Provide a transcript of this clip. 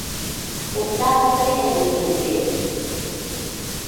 Ондак тыйын ынже тем.